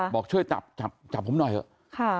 บอกช่วยจับจับผมหน่อยเถอะ